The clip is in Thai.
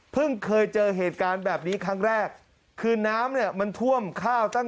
เคยเจอเหตุการณ์แบบนี้ครั้งแรกคือน้ำเนี่ยมันท่วมข้าวตั้ง